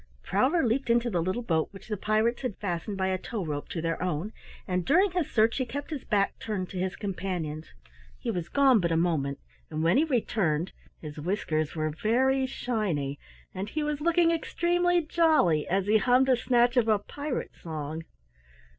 Prowler leaped into the little boat which the pirates had fastened by a tow rope to their own, and during his search he kept his back turned to his companions. He was gone but a moment, and when he returned his whiskers were very shiny, and he was looking extremely jolly as he hummed a snatch of a pirate song.